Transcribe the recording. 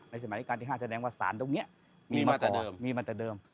ในสมัยด้วยการที่ห้านแสดงว่าศาลตรงเนี้ยมีมาต่อมีมาต่อเดิมมีมาต่อเดิม